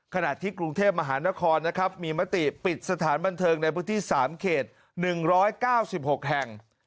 ขณะที่กรุงเทพมหานครนะครับมีมติปิดสถานบันเทิงในพื้นที่๓เขต๑๙๖แห่ง